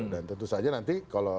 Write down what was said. dan tentu saja nanti kalau